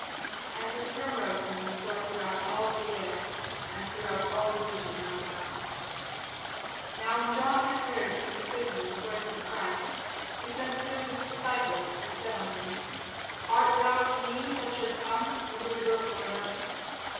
And this rumour of him went forth throughout all Judæa, and throughout all the region round about. [Sidenote: St. Matthew 11] Now when John had heard in the prison the works of Christ, he sent two of his disciples, and said unto him, Art thou he that should come, or do we look for another?